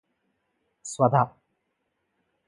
స్వధ